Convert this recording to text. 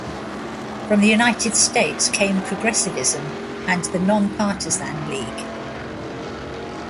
From the United States came Progressivism and the Non-Partisan League.